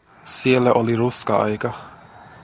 Siellä oli ruska-aika.